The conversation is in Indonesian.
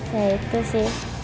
ya itu sih